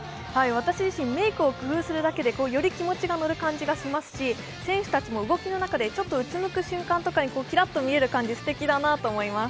私自身、メークを工夫するだけでより気持ちが乗る感じがしますし、選手たちも動きの中でちょっとうつむく瞬間とかにキラッと見える感じ、すてきだなと思います。